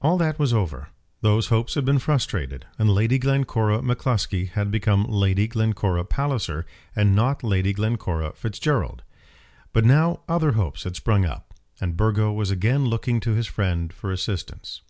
All that was over. Those hopes had been frustrated, and Lady Glencora M'Cluskie had become Lady Glencora Palliser and not Lady Glencora Fitzgerald. But now other hopes had sprung up, and Burgo was again looking to his friend for assistance.